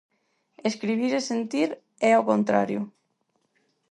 Escribir é sentir, e ao contrario.